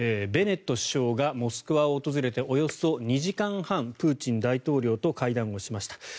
ベネット首相がモスクワを訪れておよそ２時間半プーチン大統領と会談をしました。